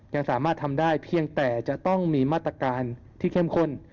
ยังสามารถทำได้เพียงแต่จะต้องมีมาตรการที่เข้มข้น